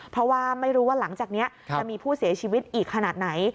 เพราะว่าไม่รู้ว่าหลังจากนี้จะมีผู้เสียชีวิตอีกขนาดไหน